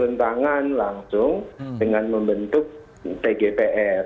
tentangan langsung dengan membentuk tgpr